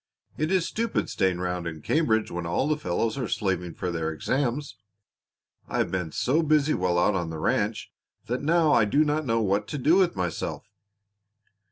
"It is stupid staying round in Cambridge when all the fellows are slaving for their exams. I have been so busy while out on the ranch that now I do not know what to do with myself."